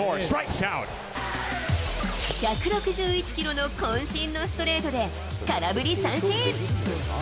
１６１キロのこん身のストレートで空振り三振。